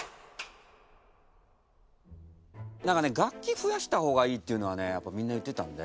何かね楽器増やした方がいいっていうのはねやっぱみんな言ってたんで。